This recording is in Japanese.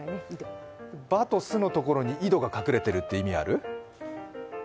「ば」と「す」のところに井戸が隠れてるって、意味ある？